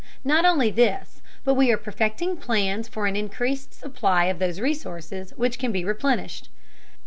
Not only this, but we are perfecting plans for an increased supply of those resources which can be replenished.